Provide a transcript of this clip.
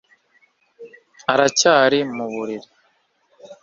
Aracyari mu buriri